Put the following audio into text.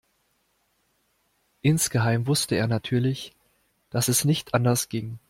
Insgeheim wusste er natürlich, dass es nicht anders ging.